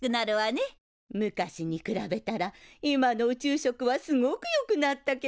昔に比べたら今の宇宙食はすごくよくなったけど。